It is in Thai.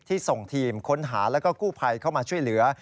ส่งทีมค้นหาแล้วก็กู้ภัยเข้ามาช่วยเหลือ